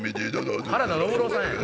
原田伸郎さんやん。